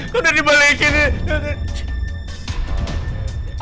kau udah di balikin nih